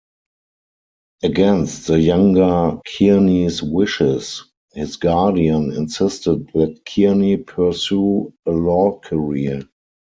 Against the younger Kearny's wishes, his guardian insisted that Kearny pursue a law career.